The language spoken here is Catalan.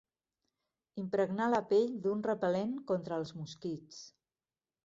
Impregnar la pell d'un repel·lent contra els mosquits.